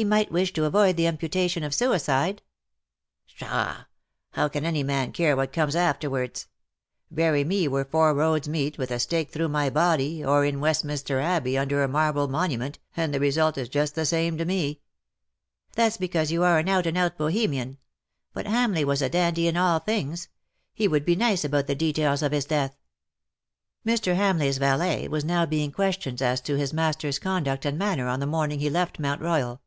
" He might wish to avoid the imputation of suicide." " PshaW; how can any man care what comes afterwards ? Bury me where four roads meet, with a stake through my body,, or in Westminster Abbey under a marble monument, and the result is just the same to me." " That's because you are an out and out Bohe mian. But Hamleigh was a dandy in all things. He would be nice about the details of his death." Mr. Hamleigh's valet was now being questioned as to his master's conduct and manner on the " DUST TO DUST." 69 morning he left Mount Royal.